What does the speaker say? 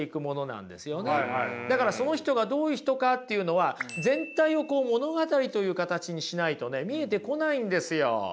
だからその人がどういう人かっていうのは全体を物語という形にしないとね見えてこないんですよ。